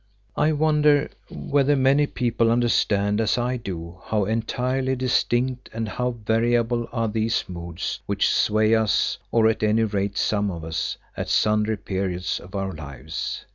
I wonder whether many people understand, as I do, how entirely distinct and how variable are these moods which sway us, or at any rate some of us, at sundry periods of our lives.